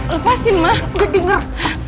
lepasin mah gue denger